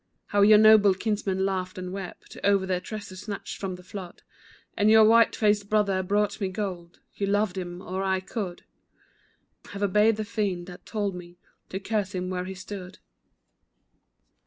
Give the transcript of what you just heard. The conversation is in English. How your noble kinsmen laughed and wept O'er their treasure snatched from the flood, And your white faced brother brought me gold You loved him, or I could Have obeyed the fiend that told me To curse him where he stood.